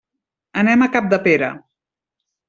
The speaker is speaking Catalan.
Anem a Capdepera.